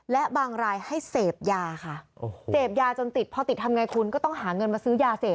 และบางรายให้เสพยาค่ะเสพยาจนติดพอติดทำไงคุณก็ต้องหาเงินมาซื้อยาเสพ